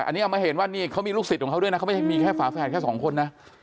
อันนี้เอามาเห็นว่านี่เขามีลูกศิษย์ของเขาด้วยนะเขาไม่ใช่มีแค่ฝาแฝดแค่สองคนนะ